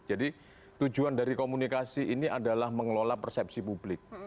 jadi tujuan dari komunikasi ini adalah mengelola persepsi publik